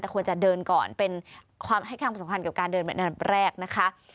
แต่ควรจะเดินก่อนเป็นความให้ความสำคัญกับการเดินเป็นอันดับแรกนะคะ